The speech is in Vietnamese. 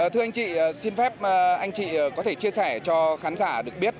thưa anh chị xin phép anh chị có thể chia sẻ cho khán giả được biết